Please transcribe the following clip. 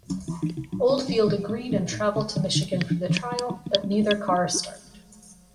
Oldfield agreed and traveled to Michigan for the trial, but neither car started.